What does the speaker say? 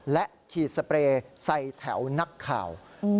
และฉีดสเปรย์ใส่แถวนักข่าว